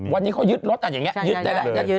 วันนี้เขายึดรถอย่างนี้ยึดได้แล้ว